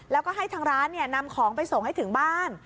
แล้วก็ให้ทางร้านนำของไปส่งให้ถึงบ้าน